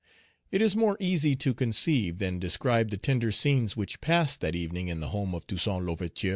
It is more easy to conceive than describe the tender scenes which passed that evening in the home of Toussaint L'Ouverture.